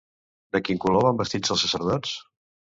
De quin color van vestits els sacerdots?